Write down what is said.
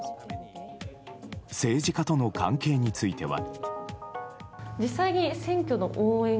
政治家との関係については。